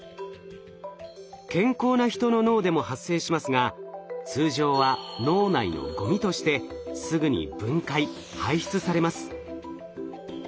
健康な人の脳でも発生しますが通常は脳内のごみとしてすぐに分解・排出されます。